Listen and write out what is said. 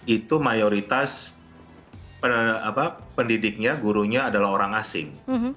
itu mayoritas pendidiknya gurunya adalah orang asing